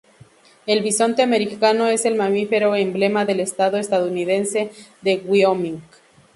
El bisonte americano es el mamífero emblema del estado estadounidense de Wyoming.